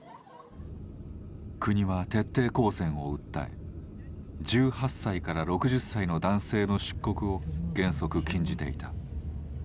国は徹底抗戦を訴え１８歳から６０歳の男性の出国を原則禁じていた。